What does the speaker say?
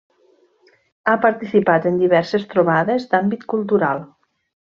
Ha participat en diverses trobades d'àmbit cultural.